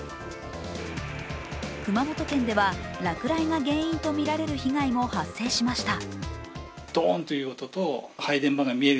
熊本県では落雷が原因とみられる被害も発生しました。